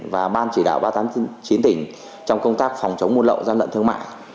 và ban chỉ đạo ba trăm tám mươi chín tỉnh trong công tác phòng chống buôn lậu gian lận thương mại